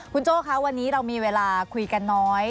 คุณโจ้คะวันนี้เรามีเวลาคุยกันน้อย